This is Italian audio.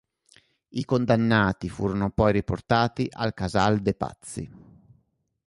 I condannati furono poi riportati al Casal de' Pazzi.